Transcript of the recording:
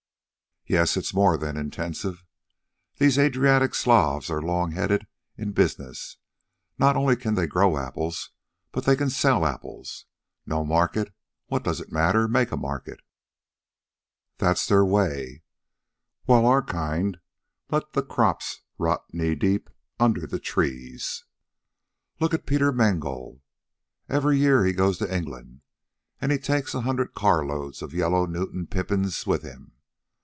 "Yes, it's more than intensive. These Adriatic Slavs are long headed in business. Not only can they grow apples, but they can sell apples. No market? What does it matter? Make a market. That's their way, while our kind let the crops rot knee deep under the trees. Look at Peter Mengol. Every year he goes to England, and he takes a hundred carloads of yellow Newton pippins with him.